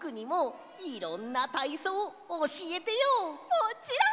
もちろん！